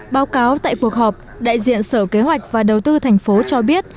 báo cáo tại cuộc họp đại diện sở kế hoạch và đầu tư thành phố cho biết